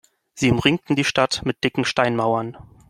Sie umringten die Stadt mit dicken Steinmauern.